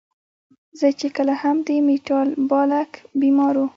زۀ چې کله هم د ميټابالک بيمارو